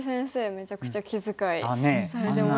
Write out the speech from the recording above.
めちゃくちゃ気遣いされてましたし。